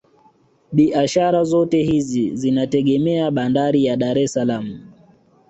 Biashara zote hizi zinategemea bandari ya Dar es salaam